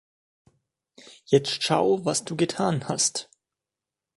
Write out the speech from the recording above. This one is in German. Jetzt schau, was du getan hast!